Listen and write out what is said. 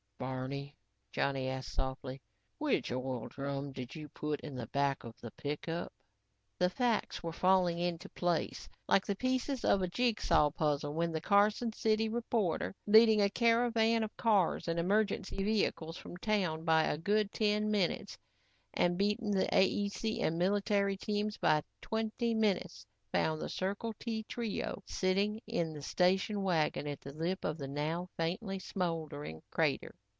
"Barney," Johnny asked softly, "which oil drum did you put in the back of the pickup?" The facts were falling into place like the pieces of a jigsaw puzzle when the Carson City reporter, leading a caravan of cars and emergency vehicles from town by a good ten minutes and beating the AEC and military teams by twenty minutes, found the Circle T trio sitting in the station wagon at the lip of the now faintly smoldering crater.